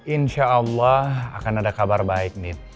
insya allah akan ada kabar baik nih